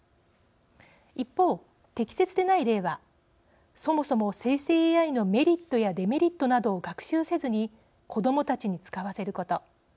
一方適切でない例はそもそも生成ＡＩのメリットやデメリットなどを学習せずに子どもたちに使わせること。